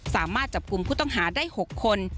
สามารถจับกลุ่มผู้ต้องหาได้๖คน